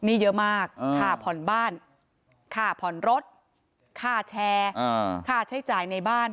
นี่เยอะมากค่าผ่อนบ้านค่าผ่อนรถค่าแชร์ค่าใช้จ่ายในบ้าน